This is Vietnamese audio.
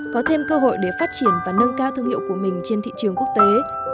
có thêm cơ hội để phát triển và nâng cao thương hiệu của mình trên thị trường quốc tế